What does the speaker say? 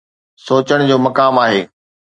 سوچڻ جو مقام آهي.